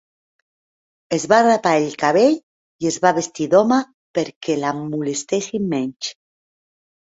Es va rapar el cabell i es va vestir d'home perquè la molestessin menys.